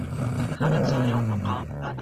ساعت په ډېرې سستۍ سره ټکا کوله.